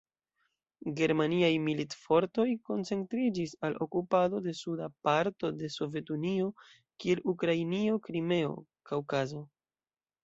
Germaniaj militfortoj koncentriĝis al okupado de suda parto de Sovetunio, kiel Ukrainio, Krimeo, Kaŭkazo.